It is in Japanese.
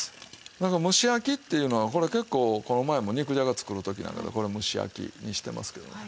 だから蒸し焼きっていうのはこれ結構この前も肉じゃが作る時なんかこれ蒸し焼きにしてますけどね。